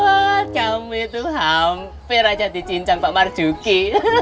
halo kamu itu hampir aja di cincang pak marjuki